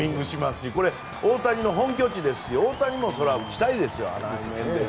大谷の本拠地ですし大谷もそれは打ちたいですよ。